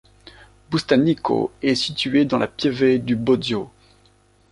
Bustanico est située dans la pieve du Bozio.